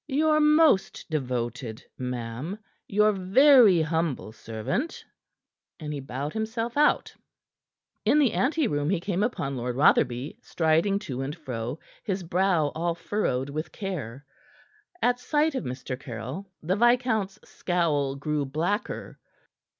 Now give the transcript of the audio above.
Your most devoted. Ma'am, your very humble servant." And he bowed himself out. In the ante room he came upon Lord Rotherby, striding to and fro, his brow all furrowed with care. At sight of Mr. Caryll, the viscount's scowl grew blacker.